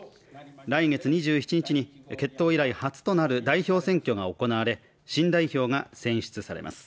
来月２７日に結党以来初となる代表選挙が行われ、新代表が選出されます。